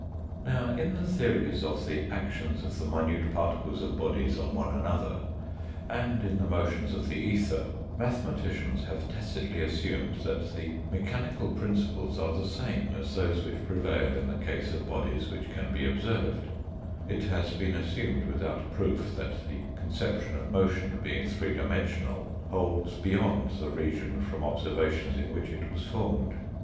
Now in the theories of the actions of the minute particles of bodies on one another, and in the motions of the ether, mathematicians have tacitly assumed that the mechanical principles are the same as those which prevail in the case of bodies which can be observed, it has been assumed without proof that the conception of motion being three dimensional, holds beyond the region from observa tions in which it was formed.